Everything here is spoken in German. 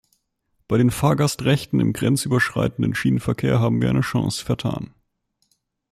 Bei den Fahrgastrechten im grenzüberschreitenden Schienenverkehr haben wir eine Chance vertan.